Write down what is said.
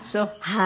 はい。